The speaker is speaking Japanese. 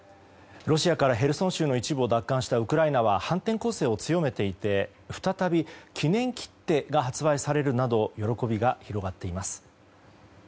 ロシアからへルソン州の一部を奪還したウクライナは反転攻勢を強めていて再び記念切手が発売されるなど喜びが広がっています。